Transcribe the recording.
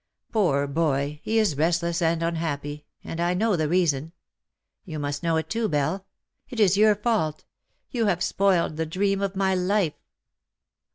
Poor boy, he is restless and unhappy ; and I know the reason. You must know it too, Belle. It is your fault. You have spoiled the dream of my life."